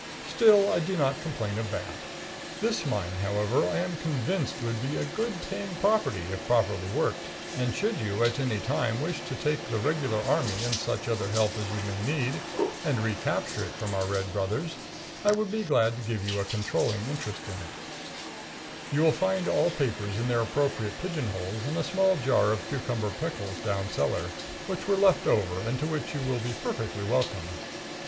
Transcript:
Still, I do not complain of that. This mine, however, I am convinced would be a good paying property if properly worked, and should you at any time wish to take the regular army and such other help as you may need and re capture it from our red brothers, I would be glad to give you a controlling interest in it. [Illustration: A DEARTH OF SOAP IN THE LAUNDRY AND BATH ROOM.] You will find all papers in their appropriate pigeon holes, and a small jar of cucumber pickles down cellar, which were left over and to which you will be perfectly welcome.